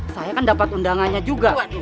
saya kan dapat undangannya juga